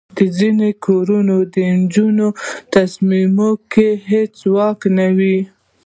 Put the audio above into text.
د ځینو کورنیو د نجونو په تصمیمونو کې هیڅ واک نه وي.